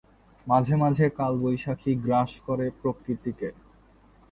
মাঝে মাঝে কালবৈশাখী গ্রাস করে প্রকৃতিকে।